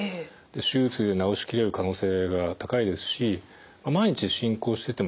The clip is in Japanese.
手術で治しきれる可能性が高いですし万一進行しててもですね